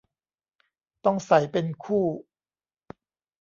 ต้องใส่เป็นคู่